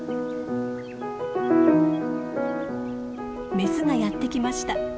メスがやって来ました。